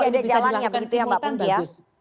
masih ada jalannya begitu ya mbak pungki ya